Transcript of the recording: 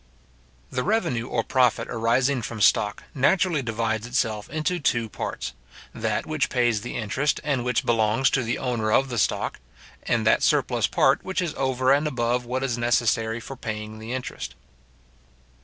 The revenue or profit arising from stock naturally divides itself into two parts; that which pays the interest, and which belongs to the owner of the stock; and that surplus part which is over and above what is necessary for paying the interest.